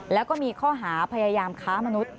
แล้วก็มีข้อหาพยายามค้ามนุษย